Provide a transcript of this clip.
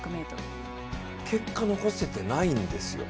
結果残せてないんですよ。